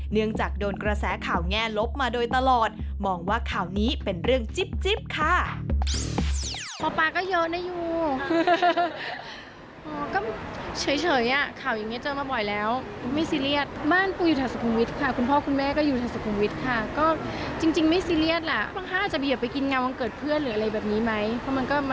เนื่องจากโดนกระแสข่าวแง่ลบมาโดยตลอดมองว่าข่าวนี้เป็นเรื่องจิ๊บค่ะ